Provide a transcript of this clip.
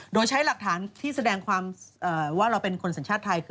โดยใช้หลักฐานที่แสดงความว่าเราเป็นคนสัญชาติไทย